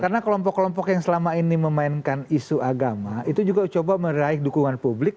karena kelompok kelompok yang selama ini memainkan isu agama itu juga mencoba meraih dukungan publik